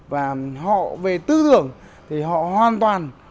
và họ về tư dưỡng thì họ hoàn toàn